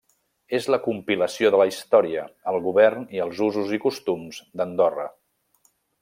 És la compilació de la història, el govern i els usos i costums d'Andorra.